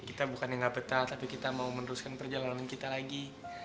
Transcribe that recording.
kita bukannya nggak betah tapi kita mau meneruskan perjalanan kita lagi